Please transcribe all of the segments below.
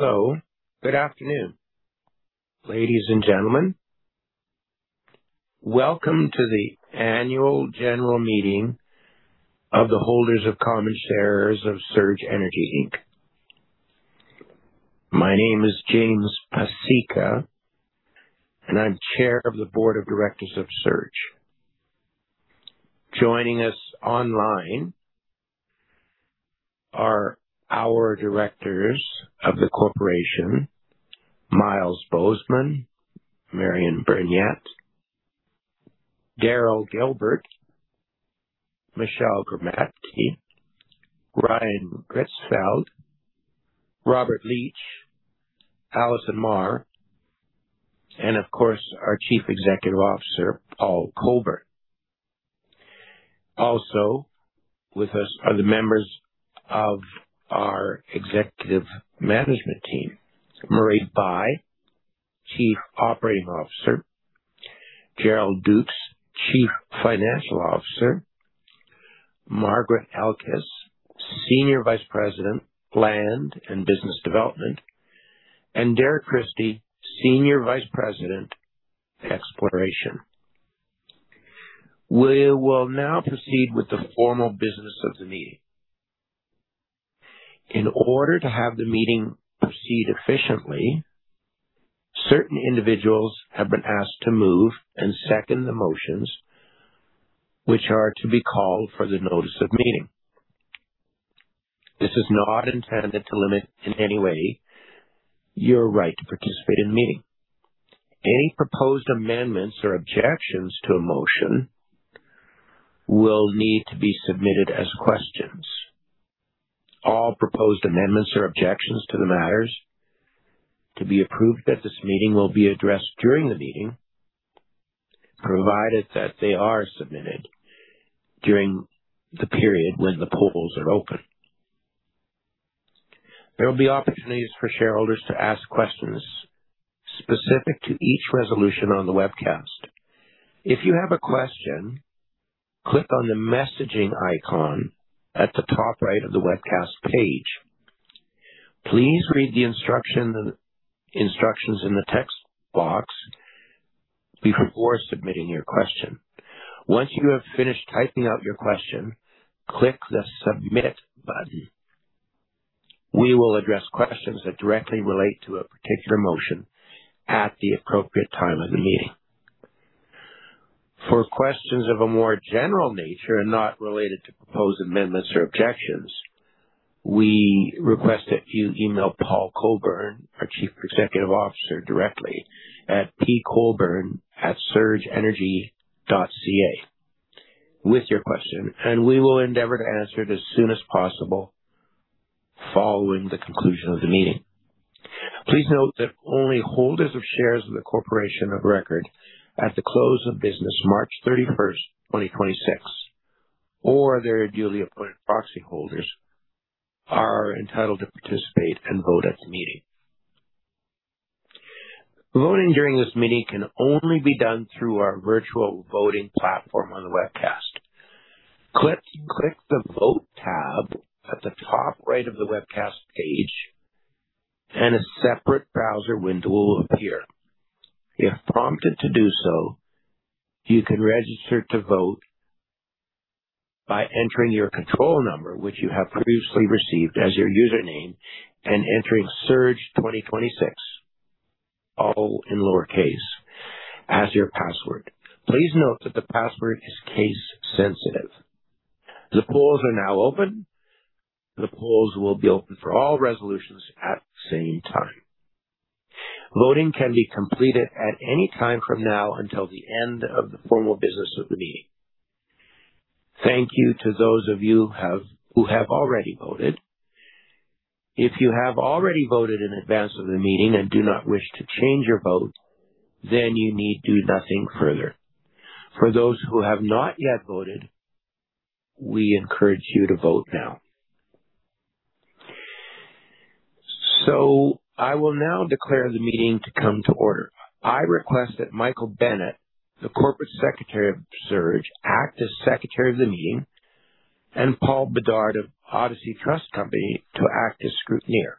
Good afternoon, ladies and gentlemen. Welcome to the annual general meeting of the holders of common shares of Surge Energy Inc. My name is James Pasieka, and I am Chair of the Board of Directors of Surge. Joining us online are our directors of the corporation, Myles Bosman, Marion Burnyeat, Daryl Gilbert, Michelle Gramatke, Ryan Gritzfeldt, Robert Leach, Allison Maher, and of course, our Chief Executive Officer, Paul Colborne. Also with us are the members of our executive management team, Marie Bai, Chief Operating Officer, Gerald Dukes, Chief Financial Officer, Margaret Elekes, Senior Vice President, Land and Business Development, and Derek Christie, Senior Vice President, Exploration. We will now proceed with the formal business of the meeting. In order to have the meeting proceed efficiently, certain individuals have been asked to move and second the motions which are to be called for the notice of meeting. This is not intended to limit in any way your right to participate in the meeting. Any proposed amendments or objections to a motion will need to be submitted as questions. All proposed amendments or objections to the matters to be approved at this meeting will be addressed during the meeting, provided that they are submitted during the period when the polls are open. There will be opportunities for shareholders to ask questions specific to each resolution on the webcast. If you have a question, click on the messaging icon at the top right of the webcast page. Please read the instructions in the text box before submitting your question. Once you have finished typing out your question, click the submit button. We will address questions that directly relate to a particular motion at the appropriate time of the meeting. For questions of a more general nature and not related to proposed amendments or objections, we request that you email Paul Colborne, our Chief Executive Officer, directly at pcolborne@surgeenergy.ca with your question, and we will endeavor to answer it as soon as possible following the conclusion of the meeting. Please note that only holders of shares in the corporation of record at the close of business March 31, 2026, or their duly appointed proxy holders are entitled to participate and vote at the meeting. Voting during this meeting can only be done through our virtual voting platform on the webcast. Click the Vote tab at the top right of the webcast page and a separate browser window will appear. If prompted to do so, you can register to vote by entering your control number, which you have previously received as your username, and entering "surge2026," all in lowercase, as your password. Please note that the password is case sensitive. The polls are now open. The polls will be open for all resolutions at the same time. Voting can be completed at any time from now until the end of the formal business of the meeting. Thank you to those of you who have already voted. If you have already voted in advance of the meeting and do not wish to change your vote, then you need do nothing further. For those who have not yet voted, we encourage you to vote now. I will now declare the meeting to come to order. I request that Michael Bennett, the corporate secretary of Surge, act as secretary of the meeting and Paul Bedard of Odyssey Trust Company to act as scrutineer.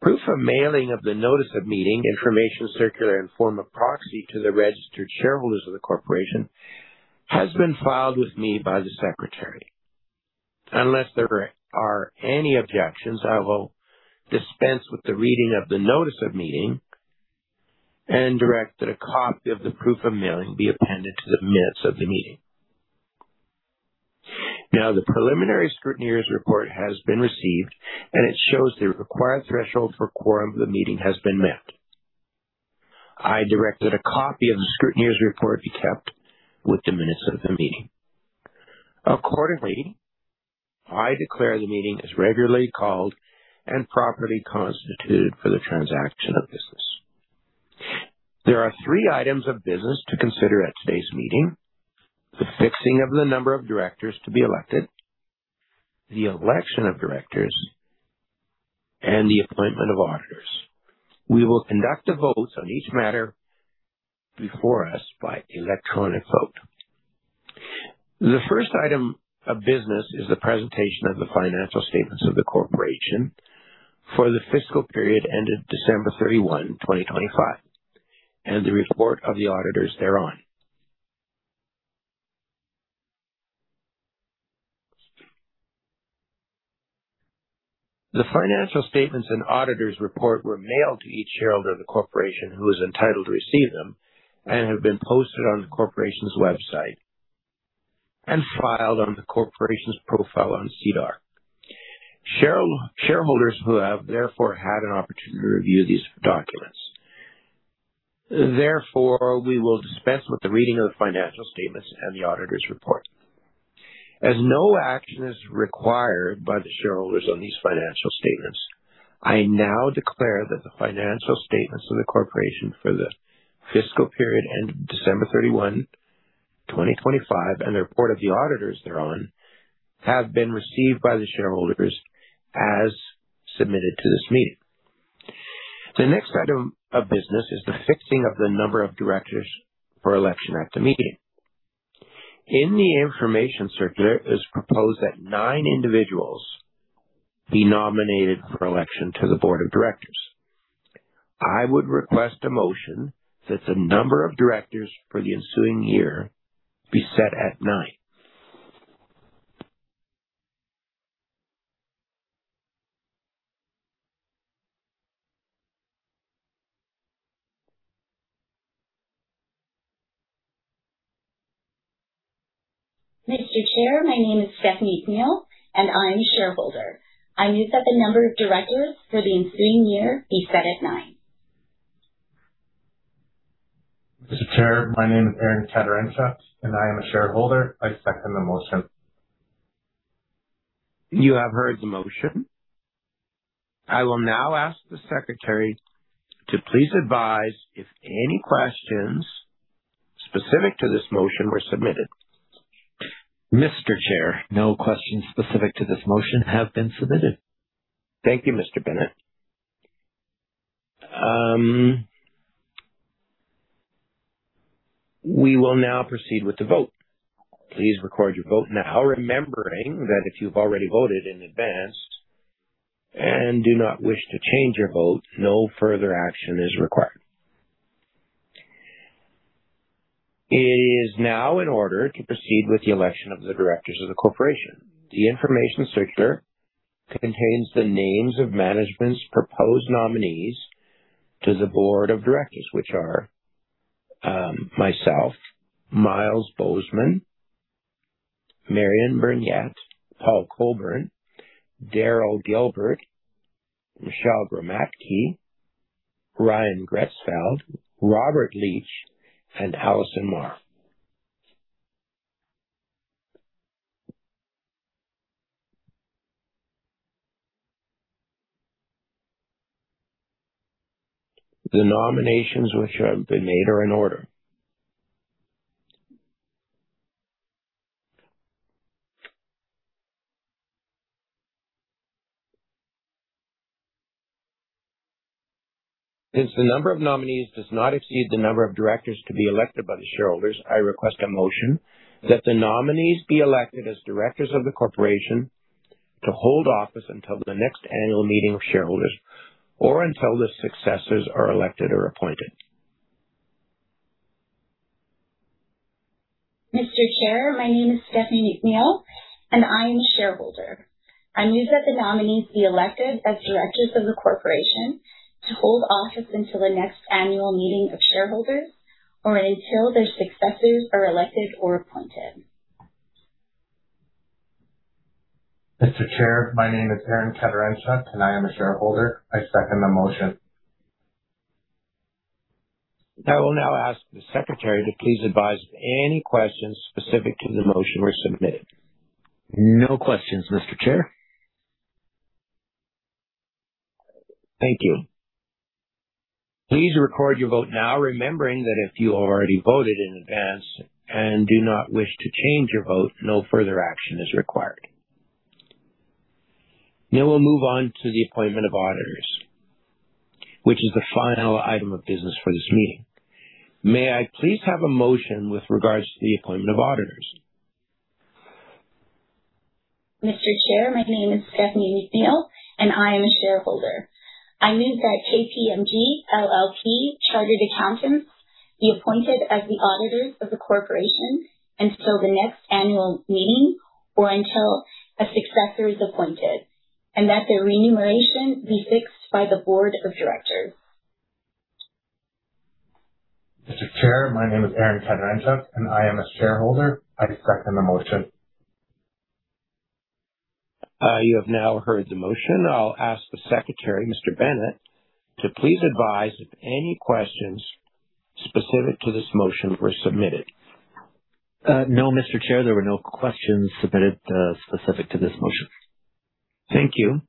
Proof of mailing of the notice of meeting, information circular and form of proxy to the registered shareholders of the corporation has been filed with me by the Secretary. Unless there are any objections, I will dispense with the reading of the notice of meeting and direct that a copy of the proof of mailing be appended to the minutes of the meeting. The preliminary scrutineer's report has been received, and it shows the required threshold for quorum of the meeting has been met. I direct that a copy of the scrutineer's report be kept with the minutes of the meeting. I declare the meeting is regularly called and properly constituted for the transaction of business. There are three items of business to consider at today's meeting. The fixing of the number of directors to be elected, the election of directors, and the appointment of auditors. We will conduct the votes on each matter before us by electronic vote. The first item of business is the presentation of the financial statements of the corporation for the fiscal period ended December 31, 2025, and the report of the auditors thereon. The financial statements and auditor's report were mailed to each shareholder of the corporation who is entitled to receive them and have been posted on the corporation's website and filed on the corporation's profile on SEDAR. Shareholders who have therefore had an opportunity to review these documents. We will dispense with the reading of the financial statements and the auditor's report. No action is required by the shareholders on these financial statements, I now declare that the financial statements of the corporation for the fiscal period end of December 31, 2025, and the report of the auditors thereon, have been received by the shareholders as submitted to this meeting. The next item of business is the fixing of the number of directors for election at the meeting. In the information circular, it is proposed that nine individuals be nominated for election to the board of directors. I would request a motion that the number of directors for the ensuing year be set at nine. Mr. Chair, my name is Stephanie McNeill, and I'm a shareholder. I move that the number of directors for the ensuing year be set at nine. Mr. Chair, my name is Aaron Kedarentsa, and I am a shareholder. I second the motion. You have heard the motion. I will now ask the secretary to please advise if any questions specific to this motion were submitted. Mr. Chair, no questions specific to this motion have been submitted. Thank you, Mr. Bennett. We will now proceed with the vote. Please record your vote now, remembering that if you've already voted in advance and do not wish to change your vote, no further action is required. It is now in order to proceed with the election of the directors of the corporation. The information circular contains the names of management's proposed nominees to the board of directors, which are myself, Myles Bosman, Marion Burnyeat, Paul Colborne, Daryl Gilbert, Michelle Gramatke, Ryan Gritzfeldt, Robert Leach, and Allison Maher. The nominations which have been made are in order. Since the number of nominees does not exceed the number of directors to be elected by the shareholders, I request a motion that the nominees be elected as directors of the corporation to hold office until the next annual meeting of shareholders, or until their successors are elected or appointed. Mr. Chair, my name is Stephanie McNeill, and I am a shareholder. I move that the nominees be elected as directors of the corporation to hold office until the next annual meeting of shareholders, or until their successors are elected or appointed. Mr. Chair, my name is Aaron Kedarentsa, and I am a shareholder. I second the motion. I will now ask the secretary to please advise if any questions specific to the motion were submitted. No questions, Mr. Chair. Thank you. Please record your vote now, remembering that if you already voted in advance and do not wish to change your vote, no further action is required. We'll move on to the appointment of auditors, which is the final item of business for this meeting. May I please have a motion with regards to the appointment of auditors? Mr. Chair, my name is Stephanie McNeill, and I am a shareholder. I move that KPMG LLP Chartered Accountants be appointed as the auditors of the corporation until the next annual meeting or until a successor is appointed, and that their remuneration be fixed by the board of directors. Mr. Chair, my name is Aaron Kedarentsa, and I am a shareholder. I second the motion. You have heard the motion. I'll ask the secretary, Mr. Bennett, to please advise if any questions specific to this motion were submitted. No, Mr. Chair. There were no questions submitted specific to this motion. Thank you.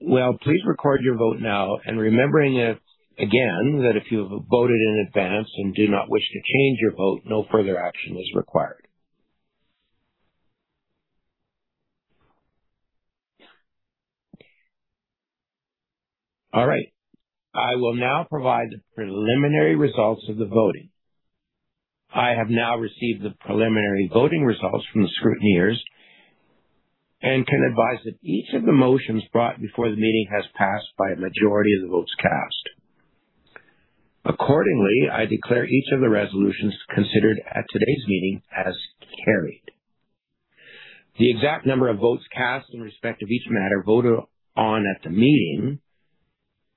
Well, please record your vote now, and remembering again, that if you have voted in advance and do not wish to change your vote, no further action is required. All right. I will now provide the preliminary results of the voting. I have now received the preliminary voting results from the scrutineers and can advise that each of the motions brought before the meeting has passed by a majority of the votes cast. Accordingly, I declare each of the resolutions considered at today's meeting as carried. The exact number of votes cast in respect of each matter voted on at the meeting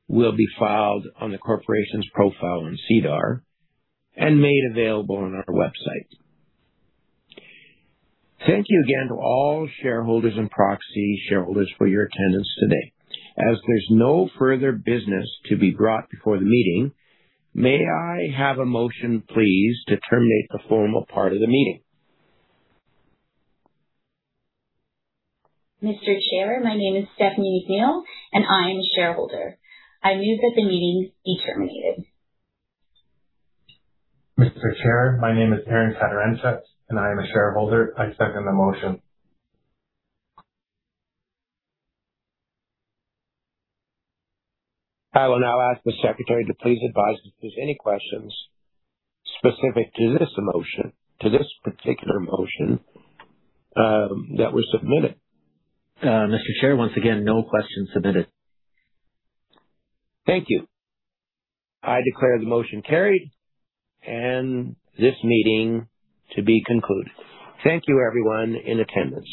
will be filed on the corporation's profile in SEDAR and made available on our website. Thank you again to all shareholders and proxy shareholders for your attendance today. There's no further business to be brought before the meeting, may I have a motion, please, to terminate the formal part of the meeting. Mr. Chair, my name is Stephanie McNeill, and I am a shareholder. I move that the meeting be terminated. Mr. Chair, my name is Aaron Kedarentsa, and I am a shareholder. I second the motion. I will now ask the secretary to please advise if there's any questions specific to this particular motion that were submitted. Mr. Chair, once again, no questions submitted. Thank you. I declare the motion carried and this meeting to be concluded. Thank you everyone in attendance.